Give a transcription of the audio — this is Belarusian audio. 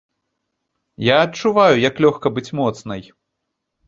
Я адчуваю, як лёгка быць моцнай.